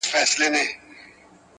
بولي یې د خدای آفت زموږ د بد عمل سزا!!